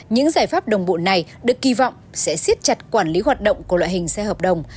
những giải pháp đồng bộ này được kỳ vọng sẽ xiết chặt quản lý hoạt động của loại hình xe hợp đồng